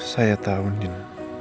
saya tahu nen